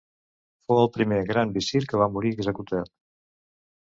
Fou el primer gran visir que va morir executat.